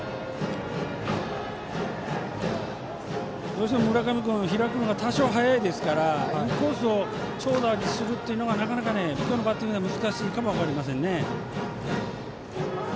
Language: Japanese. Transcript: どうしても村上君、開くのが多少、早いですからインコースを長打にするというのがなかなか今日のバッティングでは難しいかも分かりませんね。